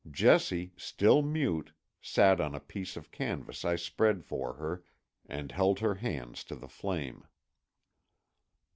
Jessie, still mute, sat on a piece of canvas I spread for her, and held her hands to the flame.